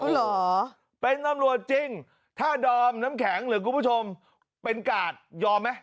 เหรอเป็นตำรวจจริงถ้าดอมน้ำแข็งหรือคุณผู้ชมเป็นกาดยอมไหม